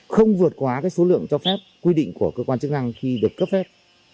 không vượt quá số lượng cho phép quy định của cơ quan chức năng khi được cấp phép